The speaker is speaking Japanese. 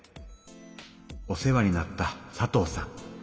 お世話になった佐藤さん。